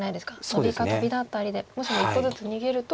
ノビかトビだったりでもしも一歩ずつ逃げると。